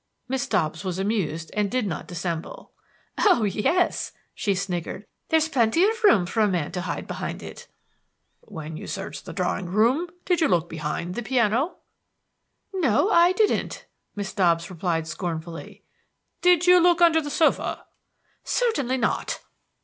Miss Dobbs was amused and did not dissemble. "Oh, yes," she sniggered, "there's plenty of room for a man to hide behind it." "When you searched the drawing room, did you look behind the piano?" "No, I didn't," Miss Dobbs replied scornfully. "Did you look under the sofa?" "Certainly not!"